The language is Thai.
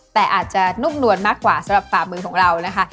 แต่อาจจะนุ่มนวลมากกว่าสำหรับฝ่ามือของเรานะคะ